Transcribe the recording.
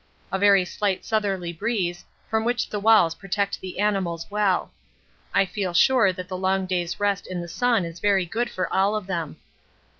A very slight southerly breeze, from which the walls protect the animals well. I feel sure that the long day's rest in the sun is very good for all of them.